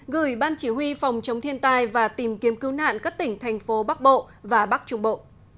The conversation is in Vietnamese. gửi ban chỉ huy phòng chống thiên tai và tìm kiếm cứu nạn các tỉnh thành phố bắc bộ và bắc trung bộ